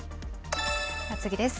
次です。